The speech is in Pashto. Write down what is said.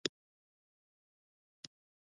کمېټې نه غوښتل دوهمه لواء تېره شي.